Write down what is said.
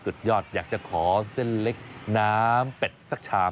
สุดยอดอยากจะขอเส้นเล็กน้ำเป็ดสักชาม